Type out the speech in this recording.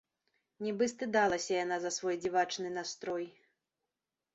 Нібы стыдалася яна за свой дзівачны настрой.